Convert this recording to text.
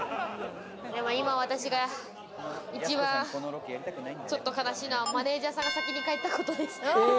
今、私が一番ちょっと悲しいのはマネジャーさんが先に帰ったことです。